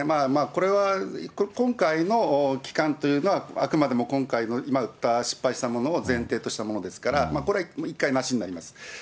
これは、今回の期間というのは、あくまでも今回の、今うった、失敗したものを前提としたものですから、これは１回なしになります。